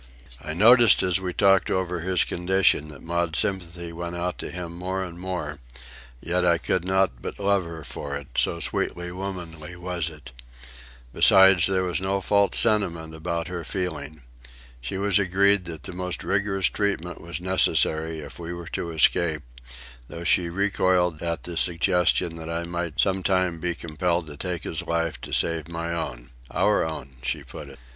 I noticed as we talked over his condition, that Maud's sympathy went out to him more and more; yet I could not but love her for it, so sweetly womanly was it. Besides, there was no false sentiment about her feeling. She was agreed that the most rigorous treatment was necessary if we were to escape, though she recoiled at the suggestion that I might some time be compelled to take his life to save my own—"our own," she put it.